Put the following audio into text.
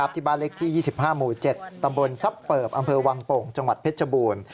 ที่บ้านเล็กที่๒๕หมู่๗ตำบลทรัพย์เปิบอำเภอวังโป่งจังหวัดเพชรบูรณ์